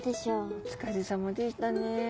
お疲れさまでしたね。